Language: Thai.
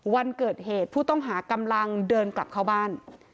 วันเกิดเหตุผู้ต้องหากำลังเดินกลับเข้าบ้าน